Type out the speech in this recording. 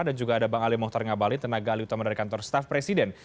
dan juga ada bang ali muhtar ngabalin tenaga ali utama dari kantor staff presiden